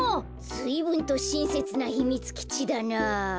ずいぶんとしんせつなひみつきちだな。